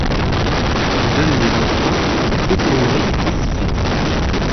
Il donne des vins fins mais peu colorés et peu typés.